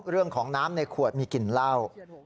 เรื่องของน้ำในขวดมีกลิ่นเหล้า